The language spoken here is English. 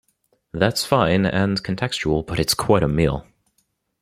That's fine, and contextual, but it's quite a meal.